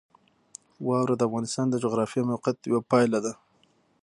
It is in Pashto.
واوره د افغانستان د جغرافیایي موقیعت یوه پایله ده.